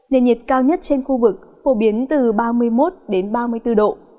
nền nhiệt cao nhất trên khu vực phổ biến từ ba mươi một ba mươi bốn độ